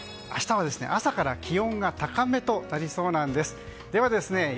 明日は朝から気温が高めとなりそうなんです。